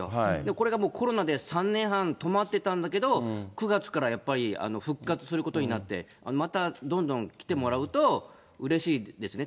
これがもうコロナで３年半止まってたんだけど、９月からやっぱり復活することになって、またどんどん来てもらうと、うれしいですね。